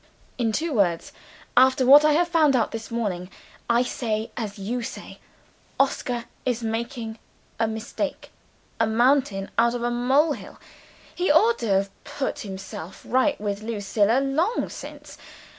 In two words, after what I have found out this morning, I say as you say Oscar is making a mountain out of a molehill. He ought to have put himself right with Lucilla long since.